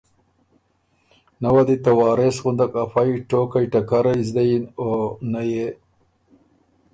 نۀ وه دی ته وارث غُندک افئ ټوقئ ټکرئ زدۀ یِن او نۀ يې